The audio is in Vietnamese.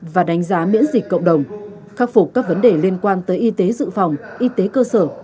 và đánh giá miễn dịch cộng đồng khắc phục các vấn đề liên quan tới y tế dự phòng y tế cơ sở